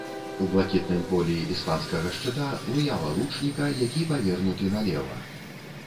У блакітным полі іспанскага шчыта выява лучніка, які павернуты налева.